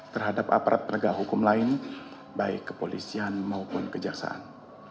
terhadap aparat penegak hukum lain baik kepolisian maupun kejaksaan